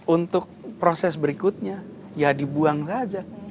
untuk proses berikutnya ya dibuang saja